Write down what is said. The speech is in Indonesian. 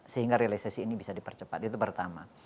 sehingga realisasi ini bisa dipercepat itu pertama